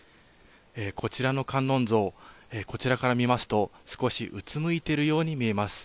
こちらの観音像、こちらから見ますと、少しうつむいているように見えます。